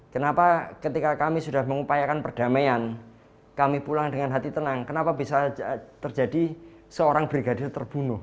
kenapa ketika kami sudah mengupayakan perdamaian kami pulang dengan hati tenang kenapa bisa terjadi seorang brigadir terbunuh